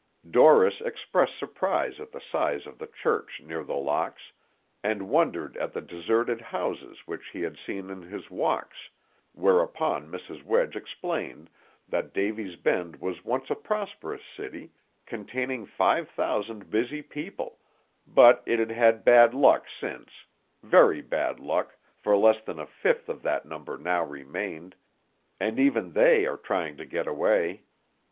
Dorris expressed surprise at the size of the church near The Locks, and wondered at the deserted houses which he had seen in his walks, whereupon Mrs. Wedge explained that Davy's Bend was once a prosperous city, containing five thousand busy people, but it had had bad luck since; very bad luck, for less than a fifth of that number now remained, and even they are trying to get away.